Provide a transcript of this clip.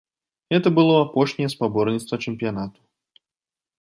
Гэта было апошняе спаборніцтва чэмпіянату.